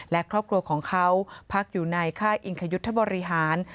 และครอบครัวของเขาพักอยู่ในค่ายอิงคยุทธบริหาร